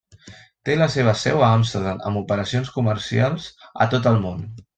Té la seva seu a Amsterdam amb operacions comercials a tot el món.